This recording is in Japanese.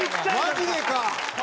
マジでか！